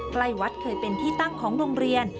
ใกล้วัดเคยเป็นที่ตั้งของโรงเรียน